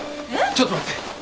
ちょっと待って！